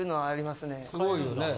すごいよね。